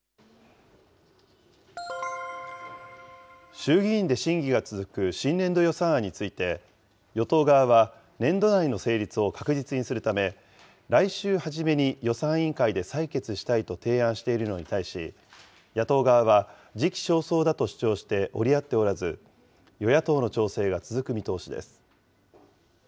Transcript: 衆議院で審議が続く新年度予算案について、与党側は、年度内の成立を確実にするため、来週初めに予算委員会で採決したいと提案しているのに対し、野党側は、時期尚早だと主張して折り合っておらず、与野党の調整が続く見通しです。